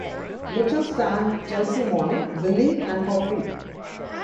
Mitchell sang "Chelsea Morning", "Willy", and "For Free".